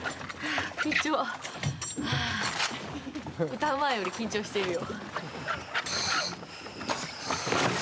歌う前より緊張しているよ。